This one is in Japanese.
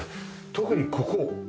特にここ。